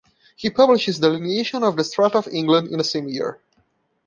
He published his "Delineation of the Strata of England" in the same year.